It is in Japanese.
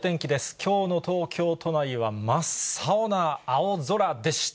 きょうの東京都内は真っ青な青空でした。